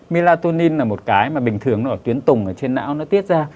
milatonin là một cái mà bình thường nó ở tuyến tùng ở trên não nó tiết ra